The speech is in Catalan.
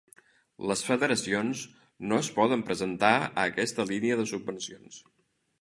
Les federacions no es poden presentar a aquesta línia de subvencions.